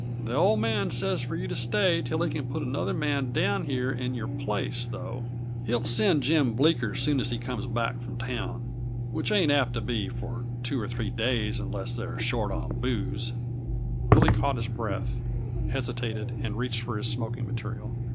"The Old Man says for you to stay till he can put another man down here in your place, though. He'll send Jim Bleeker soon as he comes back from town which ain't apt to be for two or three days unless they're short on booze." Billy caught his breath, hesitated, and reached for his smoking material.